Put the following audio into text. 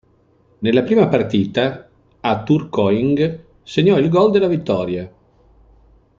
Nella prima partita, a Tourcoing, segnò il gol della vittoria.